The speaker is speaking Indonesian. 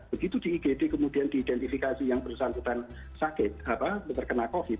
begitu di igd kemudian diidentifikasi yang bersangkutan sakit terkena covid